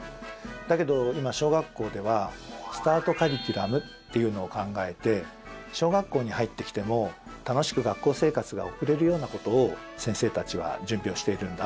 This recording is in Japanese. だけど今小学校ではスタートカリキュラムっていうのを考えて小学校に入ってきても楽しく学校生活が送れるようなことを先生たちは準備をしているんだ。